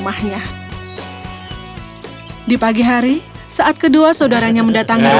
babi ketiga tidak merasa terganggu tentang hal itu